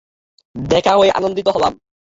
দেখা হয়ে আনন্দিত হলাম।